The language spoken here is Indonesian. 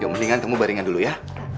ya mendingan kamu baringan dulu ya